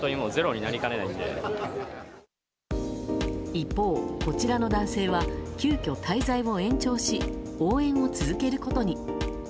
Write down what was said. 一方、こちらの男性は急きょ滞在を延長し応援を続けることに。